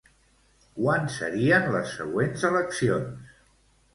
Quan serien les següents eleccions?